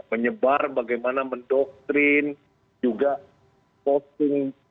menyebar bagaimana mendoktrin juga posting